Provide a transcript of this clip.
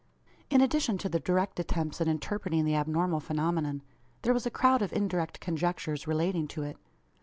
In addition to the direct attempts at interpreting the abnormal phenomenon, there was a crowd of indirect conjectures relating to it.